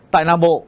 tại nam bộ